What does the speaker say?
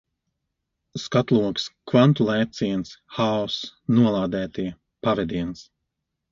Skatlogs, kvantu lēciens, haoss, nolādētie, pavediens.